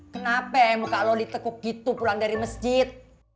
kenapa muka lo ditekuk gitu pulang dari masjid